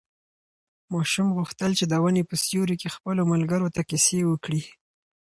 ماشوم غوښتل چې د ونې په سیوري کې خپلو ملګرو ته کیسې وکړي.